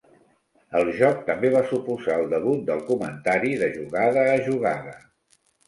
El joc també va suposar el debut del comentari de jugada a jugada.